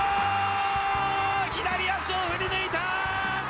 左足を振り抜いた！